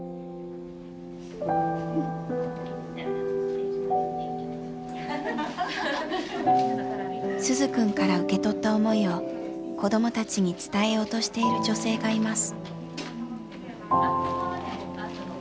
それを鈴くんから受け取った思いを子どもたちに伝えようとしている女性がいます。